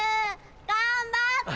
頑張って！